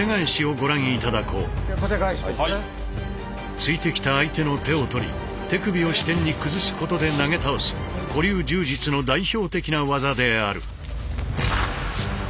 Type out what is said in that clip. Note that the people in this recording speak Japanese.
突いてきた相手の手を取り手首を支点に崩すことで投げ倒す古流柔術の代表的な技である。